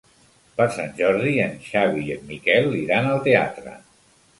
Per Sant Jordi en Xavi i en Miquel iran al teatre.